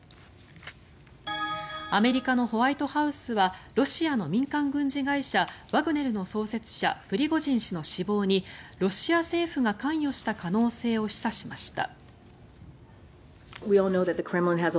アメリカのホワイトハウスはロシアの民間軍事会社ワグネルの創設者プリゴジン氏の死亡にロシア政府が関与した可能性を示唆しました。